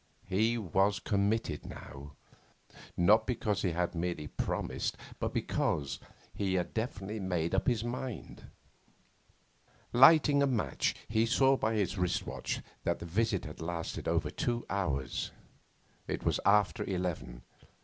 He was committed now; not because he had merely promised, but because he had definitely made up his mind. Lighting a match, he saw by his watch that the visit had lasted over two hours. It was after eleven.